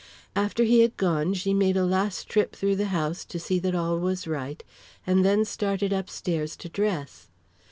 After he had gone, she made a last trip through the house to see that all was right, and then started upstairs to dress.